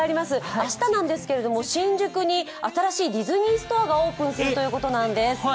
明日なんですけれども、新宿に新しいディズニーストアがオープンするということなんです。